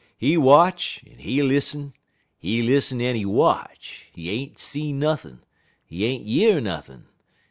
He watch en he lissen, he lissen en he watch; he ain't see nothin', he ain't year nothin'.